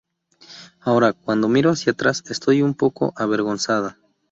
Ahora, cuando miro hacia atrás, estoy un poco avergonzada.